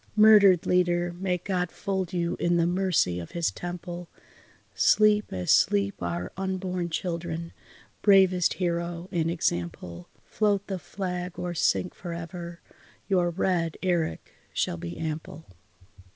Murdered leader may God fold you in the mercy of His temple, Sleep as sleep our unborn children, bravest hero and example Float the flag or sink for ever, your red eric shall be ample.